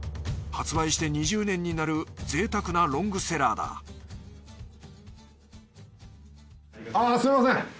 発売して２０年になるぜいたくなロングセラーだあぁすみません。